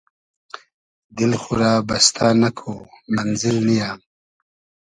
دیل خو رۂ بستۂ نئکو مئنزیل نییۂ